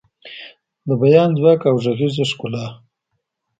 د بیان ځواک او غږیز ښکلا